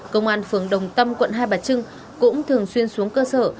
công an phường đồng tâm quận hai bà trưng cũng thường xuyên xuống cơ sở